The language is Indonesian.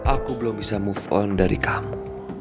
aku belum bisa move on dari kamu